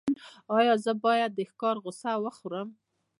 ایا زه باید د ښکار غوښه وخورم؟